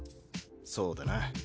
そうだな。